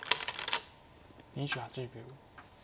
２８秒。